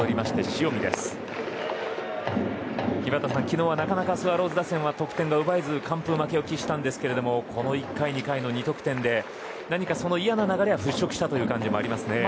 井端さん、昨日はなかなかスワローズ打線は得点が奪えず完封負けを喫しましたがこの１回、２回の２得点で何か嫌な流れは払拭したという感じもありますね。